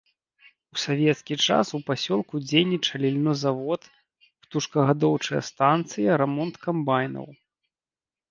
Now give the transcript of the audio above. У савецкі час у пасёлку дзейнічалі льнозавод, птушкагадоўчая станцыя, рамонт камбайнаў.